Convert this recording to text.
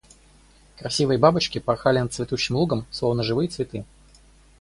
Красивые бабочки порхали над цветущим лугом, словно живые цветы.